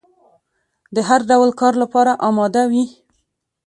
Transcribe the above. د هر ډول کار لپاره اماده وي.